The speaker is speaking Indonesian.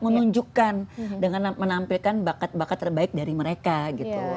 menunjukkan dengan menampilkan bakat bakat terbaik dari mereka gitu